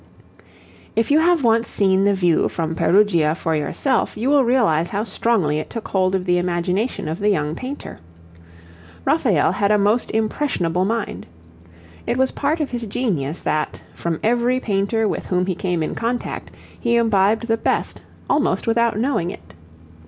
If you have once seen the view from Perugia for yourself, you will realize how strongly it took hold of the imagination of the young painter. Raphael had a most impressionable mind. It was part of his genius that, from every painter with whom he came in contact he imbibed the best, almost without knowing it.